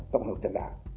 tổng hợp trận đá